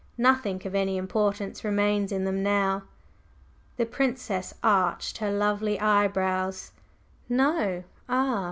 "Nothing of any importance remains in them now." The Princess arched her lovely eyebrows. "No? Ah!